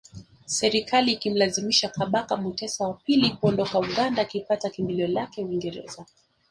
Serikali ikamlazimisha Kabaka Mutesa wa pili kuondoka Uganda akipata kimbilio lake Uingereza